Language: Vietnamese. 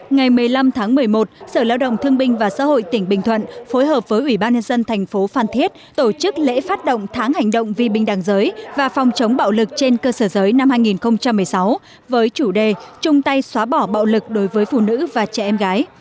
ngày một mươi năm tháng một mươi một sở lao động thương binh và xã hội tỉnh bình thuận phối hợp với ủy ban nhân dân thành phố phan thiết tổ chức lễ phát động tháng hành động vì bình đẳng giới và phòng chống bạo lực trên cơ sở giới năm hai nghìn một mươi sáu với chủ đề trung tay xóa bỏ bạo lực đối với phụ nữ và trẻ em gái